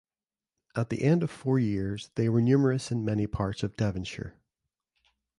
At the end of four years they were numerous in many parts of Devonshire.